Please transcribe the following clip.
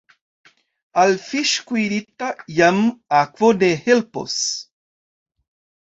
Al fiŝ' kuirita jam akvo ne helpos.